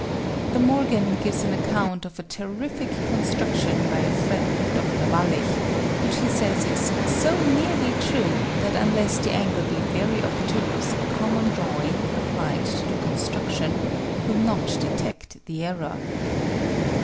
De Morgan gives an account of a " terrific " construc tion by a friend of Dr. Wallich, which he says is " so nearly true, that unless the angle be very obtuse, common drawing, applied to the construction, will not detect the error."